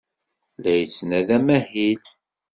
La yettnadi amahil.